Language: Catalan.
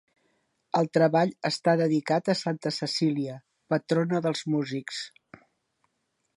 El treball està dedicat a Santa Cecília, patrona dels músics.